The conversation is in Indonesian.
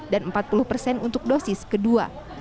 dan empat puluh persen untuk dosis kedua